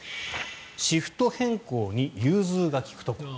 シフト変更に融通が利くところ。